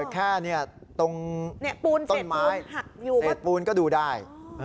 แค่ตรงต้นไม้เศษปูนก็ดูได้